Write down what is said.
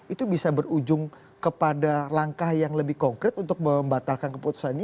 itu bisa berujung kepada langkah yang lebih konkret untuk membatalkan keputusan ini